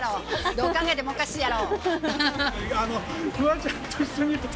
どう考えてもおかしいやろ！ハハハ。